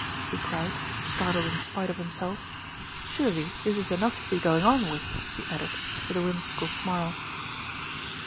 he cried, startled in spite of himself. "Surely this is enough to be going on with?" he added, with a whimsical smile.